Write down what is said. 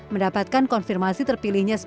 mendapatkan konfirmasi terpilihnya seorang